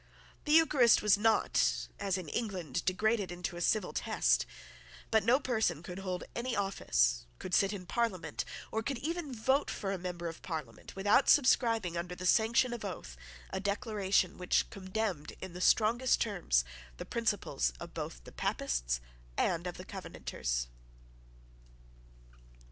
The Eucharist was not, as in England, degraded into a civil test; but no person could hold any office, could sit in Parliament, or could even vote for a member of Parliament, without subscribing, under the sanction of an oath, a declaration which condemned in the strongest terms the principles both of the Papists and of the Covenanters.